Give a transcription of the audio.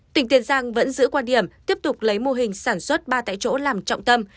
tỉnh tiền giang vẫn giữ quan điểm tiếp tục lấy mô hình sản xuất ba tại chỗ làm trọng tâm